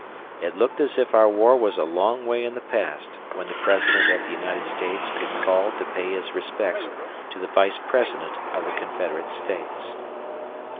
It looked as if our war was a long way in the past when the President of the United States could call to pay his respects to the Vice President of the Confederate States.